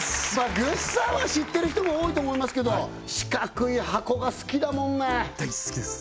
ぐっさんは知ってる人も多いと思いますけど四角い箱が好きだもんね大好きです